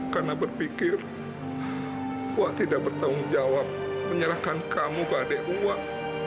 karena berpikir wak tidak bertanggung jawab menyerahkan kamu ke adik wak